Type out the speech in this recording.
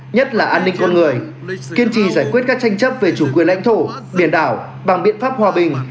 nhất là an ninh con người kiên trì giải quyết các tranh chấp về chủ quyền lãnh thổ biển đảo bằng biện pháp hòa bình